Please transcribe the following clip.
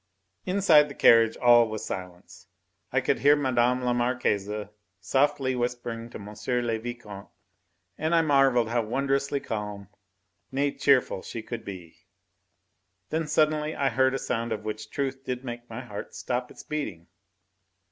Inside the carriage all was silence. I could hear Mme. la Marquise softly whispering to M. le Vicomte, and I marvelled how wondrously calm nay, cheerful, she could be. Then suddenly I heard a sound which of a truth did make my heart stop its beating.